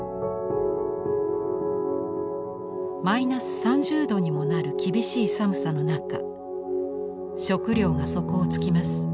マイナス３０度にもなる厳しい寒さの中食料が底をつきます。